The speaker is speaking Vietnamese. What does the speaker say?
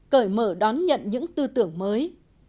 năm cởi mở đón nhận những tư tưởng mới